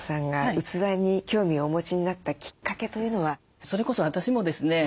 それこそ私もですね